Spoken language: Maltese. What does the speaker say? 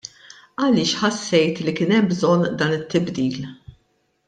Għaliex ħassejt li kien hemm bżonn dan it-tibdil?